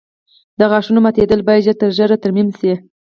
د غاښونو ماتېدل باید ژر تر ژره ترمیم شي.